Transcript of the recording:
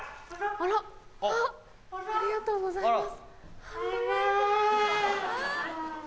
ありがとうございます。